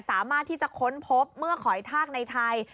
สามารถที่จะค้นพบเมื่อขอยทากในไทย